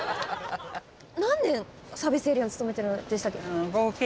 何年サービスエリアに勤めてるんでしたっけ？